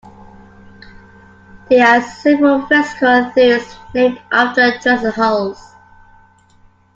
There are several physical theories named after Dresselhaus.